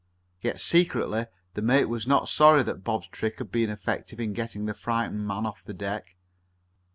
Yet, secretly, the mate was not sorry that Bob's trick had been effective in getting the frightened man off the deck.